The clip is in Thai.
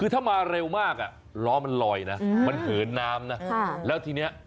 ถ้ามาเร็วมากร้อมันลอยนะมันเหินน้ำนะ